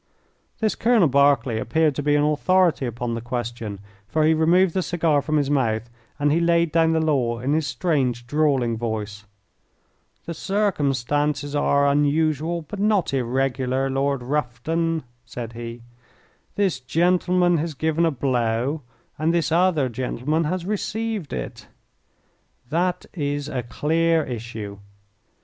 This Colonel Berkeley appeared to be an authority upon the question, for he removed the cigar from his mouth and he laid down the law in his strange, drawling voice. "The circumstances are unusual but not irregular, Lord Rufton," said he. "This gentleman has given a blow and this other gentleman has received it. That is a clear issue.